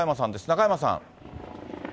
中山さん。